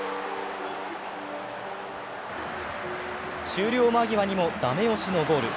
終了間際にもだめ押しのゴール。